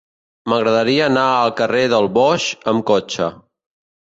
M'agradaria anar al carrer del Boix amb cotxe.